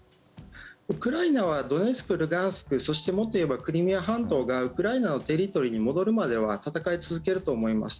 ウクライナはドネツク、ルガンスクそして、もっと言えばクリミア半島がウクライナのテリトリーに戻るまでは戦い続けると思います。